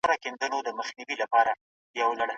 سیاستوال باید تل د خلکو په ارواپوهنه باندې پوه شي.